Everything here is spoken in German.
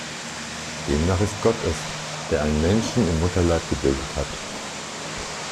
Demnach ist Gott es, der einen Menschen "im Mutterleib gebildet" hat.